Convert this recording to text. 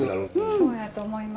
そうやと思います。